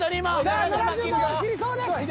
さあ７０万を切りそうです。